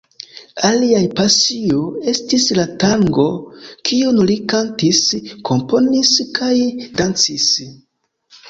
Alia pasio estis la tango, kiun li kantis, komponis kaj dancis.